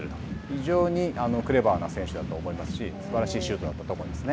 非常にクレバーな選手だと思いますし、すばらしいシュートだったと思います。